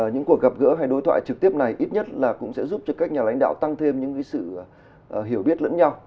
những cuộc gặp gỡ hay đối thoại trực tiếp này ít nhất là cũng sẽ giúp cho các nhà lãnh đạo tăng thêm những sự hiểu biết lẫn nhau